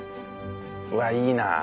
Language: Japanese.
うわっいいなあ。